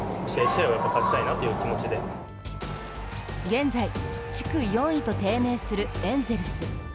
現在、地区４位と低迷するエンゼルス。